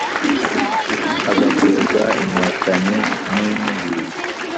Hagakuzwa inkotanyi n'inkubiri